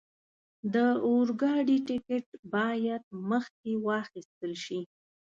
د اورګاډي ټکټ باید مخکې واخستل شي.